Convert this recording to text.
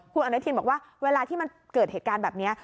คุณอนุทินบอกว่าเวลาที่มันเกิดเหตุการณ์แบบนี้